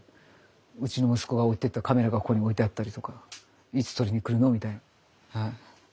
うちの息子が置いてったカメラがここに置いてあったりとかいつ取りに来るのみたいなはい。